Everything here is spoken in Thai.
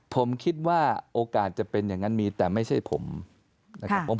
ผมคิดว่าโอกาสจะเป็นอย่างนั้นมีแต่ไม่ใช่ผมนะครับ